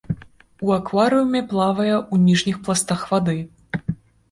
У акварыуме плавае ў ніжніх пластах вады.